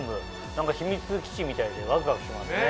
何か秘密基地みたいでワクワクしますね。